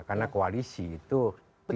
karena koalisi itu tidak